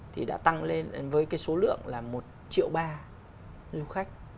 thì đã tăng lên với cái số lượng là một triệu ba lưu khách